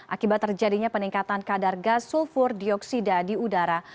akibat terjadinya peningkatan kadar gas sulfur dioksida di udara